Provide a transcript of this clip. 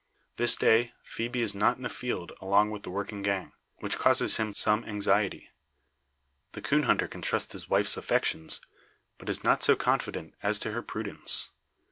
This day, Phoebe is not in the field along with the working gang; which causes him some anxiety. The coon hunter can trust his wife's affections, but is not so confident as to her prudence.